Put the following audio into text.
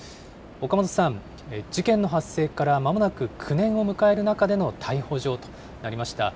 岡本さん、事件の発生からまもなく９年を迎える中での逮捕状となりました。